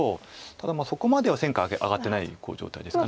ただそこまでは戦果が上がってない状態ですか。